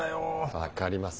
分かります。